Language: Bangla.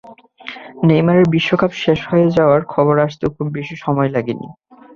নেইমারের বিশ্বকাপ শেষ হয়ে যাওয়ার খবর আসতেও খুব বেশি সময় লাগেনি।